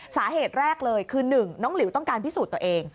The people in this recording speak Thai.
สาเหตุแรกเลยคือ๑น้องหลิวต้องการพิสูจน์ตัวเอง